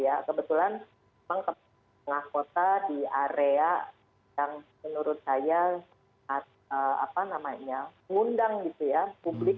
ya kebetulan memang tempat kota di area yang menurut saya mengundang gitu ya publik